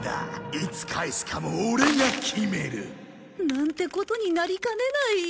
いつ返すかもオレが決める！なんてことになりかねない！